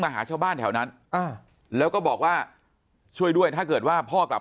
หาชาวบ้านแถวนั้นแล้วก็บอกว่าช่วยด้วยถ้าเกิดว่าพ่อกลับ